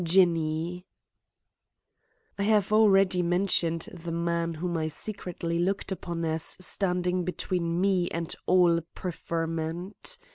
JINNY I have already mentioned the man whom I secretly looked upon as standing between me and all preferment.